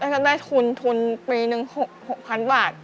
แล้วก็ได้ทุนทุนปีหนึ่ง๖๐๐๐บาท